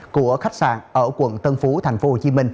của khách sạn ở quận tân phú tp hcm